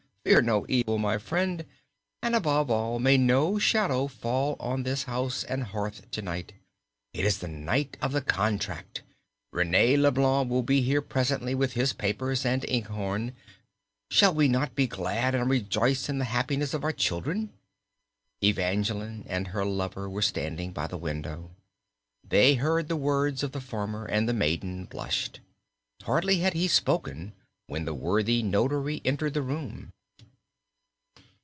Fear no evil, my friend, and, above all, may no shadow fall on this house and hearth to night. It is the night of the contract. René Leblanc will be here presently with his papers and inkhorn. Shall we not be glad and rejoice in the happiness of our children?" Evangeline and her lover were standing by the window. They heard the words of the farmer and the maiden blushed. Hardly had he spoken when the worthy notary entered the room.